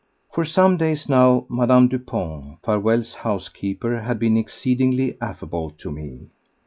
For some days now Madame Dupont, Farewell's housekeeper, had been exceedingly affable to me.